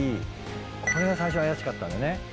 これが最初怪しかったんだよね。